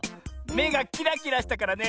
めがキラキラしたからね